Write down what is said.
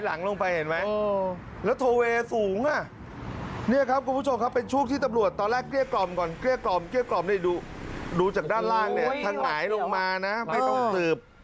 รอรอรอรอรอรอรอรอรอรอรอรอรอรอรอรอรอรอรอรอรอรอรอรอรอรอรอรอรอรอรอรอรอรอรอรอรอรอรอรอรอรอรอรอรอ